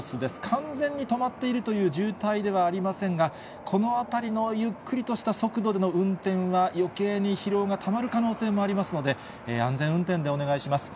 完全に止まっているという渋滞ではありませんが、この辺りのゆっくりとした速度での運転は、よけいに疲労がたまる可能性がありますので、安全運転でお願いします。